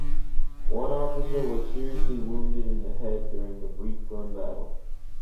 One officer was seriously wounded in the head during the brief gun battle.